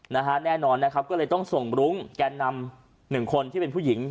แน่นอนนะครับก็เลยต้องส่งรุ้งแกนนำหนึ่งคนที่เป็นผู้หญิง